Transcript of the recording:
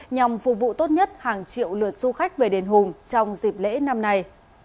nhằm phục vụ tốt nhất hàng triệu lượt du khách về đền hùng trong dịp lễ năm nay